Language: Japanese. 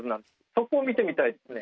そこ見てみたいですね。